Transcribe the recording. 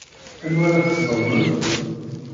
Anwa ara tesḍelmemt?